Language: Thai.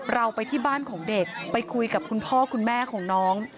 เราไปที่บ้านของเด็กไปคุยกับคุณพ่อคุณแม่ของน้อง